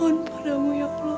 sama lara ya allah